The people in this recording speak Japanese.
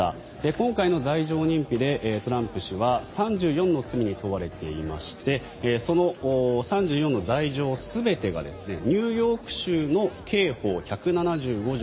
今回の罪状認否でトランプ氏は３４の罪に問われていましてその３４の罪状全てがニューヨーク州の刑法１７５条